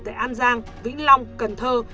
tại an giang vĩnh long cần thơ